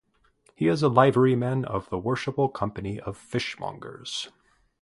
He is a Liveryman of the Worshipful Company of Fishmongers.